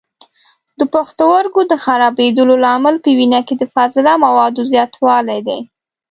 د پښتورګو د خرابېدلو لامل په وینه کې د فاضله موادو زیاتولی دی.